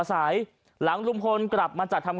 ท่านพรุ่งนี้ไม่แน่ครับ